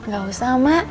gak usah ma